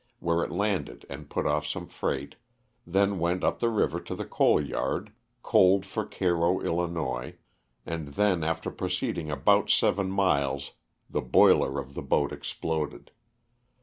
where it landed and put off some freight, then went up the river to the coal yard, coaled for Cairo, 111., and then after proceeding about seven miles the boiler of the boat exploded.